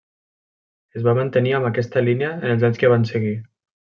Es va mantenir en aquesta línia en els anys que van seguir.